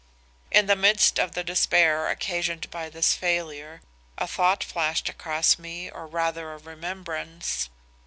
"In the midst of the despair occasioned by this failure a thought flashed across me or rather a remembrance.